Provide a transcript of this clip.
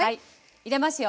入れますよ！